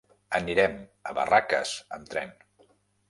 Anirem a Barraques amb tren.